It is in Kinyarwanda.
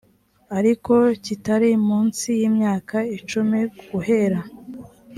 ariko kitari mu nsi y imyaka icumi guhera